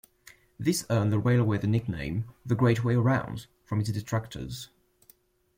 This earned the railway the nickname "The Great Way Round" from its detractors.